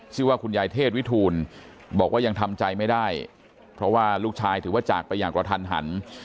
ชื่อว่าคุณยายเทศวิทูลบอกว่ายังทำใจไม่ได้เพราะว่าลูกชายถือว่าจากไปอย่างกระทันหัน